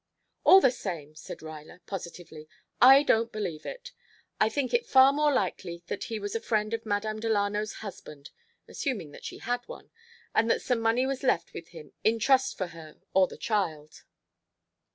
"All the same," said Ruyler positively, "I don't believe it. I think it far more likely that he was a friend of Madame Delano's husband assuming that she had one and that some money was left with him in trust for her or the child."